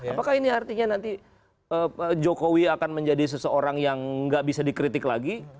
apakah ini artinya nanti jokowi akan menjadi seseorang yang nggak bisa dikritik lagi